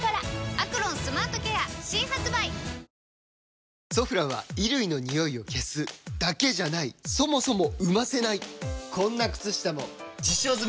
「アクロンスマートケア」新発売！「ソフラン」は衣類のニオイを消すだけじゃないそもそも生ませないこんな靴下も実証済！